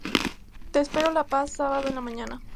Te espero La Paz sábado en la mañana.